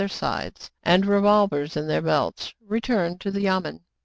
US their side, and revolvers in their belts, returned to the yam en.